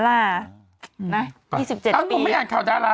อ่ายยยยเห็นไหมล่ะ